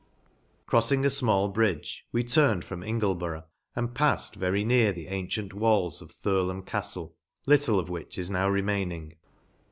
Croffing a fmall bridge, we turned from Ingleborough, and paiTed very near the an tient walls of Thirlham Cattle, little of which is npw remaining.